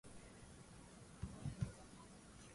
nchini rwanda linatarajia kufanya zoezi la kuhakiki